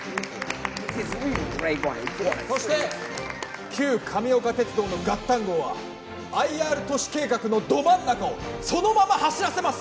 そして旧神岡鉄道のガッタンゴーはＩＲ都市計画のど真ん中をそのまま走らせます！